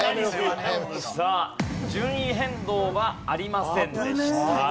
さあ順位変動はありませんでした。